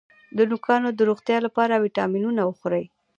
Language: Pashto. د نوکانو د روغتیا لپاره ویټامینونه وخورئ